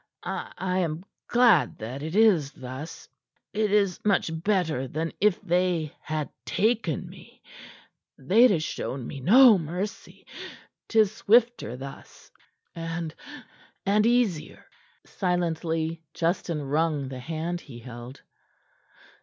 I I am glad that it is thus. It is much better than if they had taken me. They'd ha' shown me no mercy. 'Tis swifter thus, and and easier." Silently Justin wrung the hand he held.